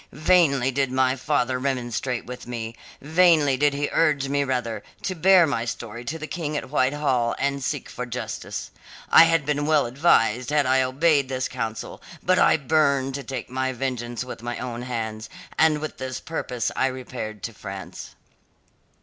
Vainly did my father remonstrate with me; vainly did he urge me rather: to bear my story to the King at Whitehall and seek for justice. I had been well advised had I obeyed this counsel, but I burned to take my vengeance with my own hands, and with this purpose I repaired to France.